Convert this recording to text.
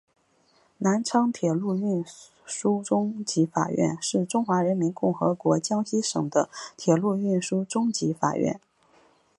南昌铁路运输中级法院是中华人民共和国江西省的铁路运输中级法院。